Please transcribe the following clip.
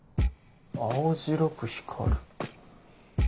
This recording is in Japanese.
青白く光る。